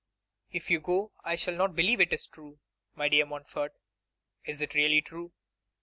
'If you go I shall not believe it is true. My dear Montfort, is it really true?